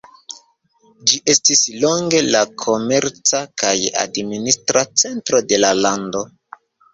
Ĝi estis longe la komerca kaj administra centro de la lando.